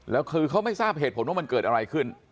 แล้วคือเขาไม่ทราบเหตุผลว่ามันเกิดอะไรขึ้น